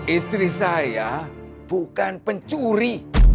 istri saya bukan pencuri